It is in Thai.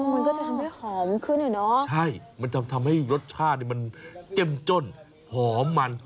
มันก็จะทำให้หอมขึ้นอะเนาะใช่มันทำให้รสชาตินี่มันเข้มจ้นหอมมัน